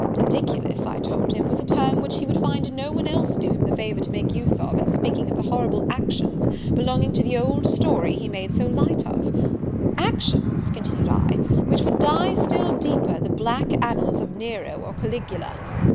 Ridiculous, I told him, was a term which he would find no one else do him the favour to make use of, in speaking of the horrible actions belonging to the old story he made so light of; 'actions' continued I, 'which would dye still deeper the black annals of Nero or Caligula.'